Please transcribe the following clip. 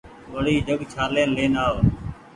وڙي جگ ڇآلين لين آو